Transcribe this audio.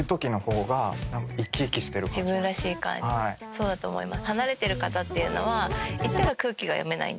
そうだと思います。